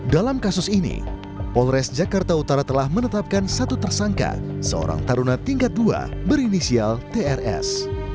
dalam kasus ini polres jakarta utara telah menetapkan satu tersangka seorang taruna tingkat dua berinisial trs